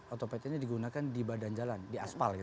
otopet ini digunakan di badan jalan di aspal gitu kan